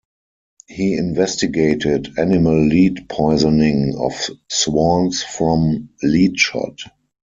He investigated animal lead poisoning of swans from lead shot.